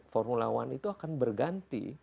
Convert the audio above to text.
formula one itu akan berganti